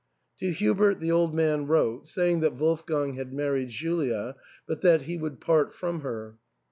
To Hubert the old man wrote, saying that Wolf gang had married Julia, but that he would part from her.